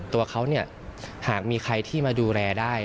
ตัวเขาเนี่ยหากมีใครที่มาดูแลได้